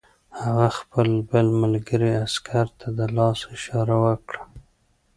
هغه خپل بل ملګري عسکر ته د لاس اشاره وکړه